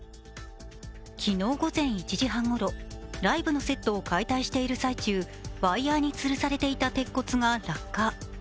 昨日午前１時半ごろ、ライブのセットを解体している最中、ワイヤーにつるされていた鉄骨が落下。